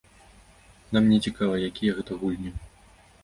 Нам не цікава, якія гэта гульні.